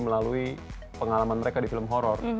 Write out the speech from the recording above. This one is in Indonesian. melalui pengalaman mereka di film horror